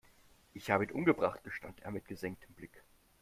"Ich habe ihn umgebracht", gestand er mit gesenktem Blick.